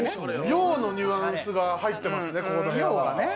洋のニュアンスが入ってる。